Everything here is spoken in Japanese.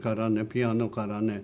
ピアノからね